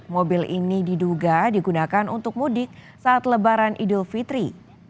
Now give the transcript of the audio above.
mobil ini diduga digunakan untuk mudik saat lebaran idul fitri